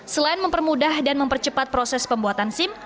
selain mempermudah dan mempercepat proses pembuatan sim